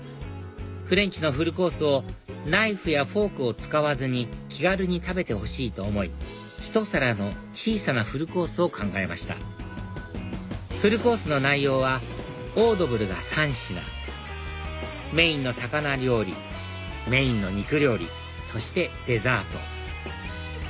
フレンチのフルコースをナイフやフォークを使わずに気軽に食べてほしいと思い一皿の小さなフルコースを考えましたフルコースの内容はオードブルが３品メインの魚料理メインの肉料理そしてデザート